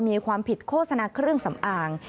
มีความผิดโฆษณาเครื่องสำอาง